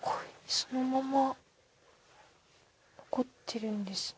そのまま残っているんですね。